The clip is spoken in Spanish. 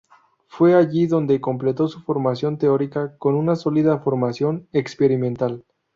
Fue allí donde completó su formación teórica con una sólida formación experimental.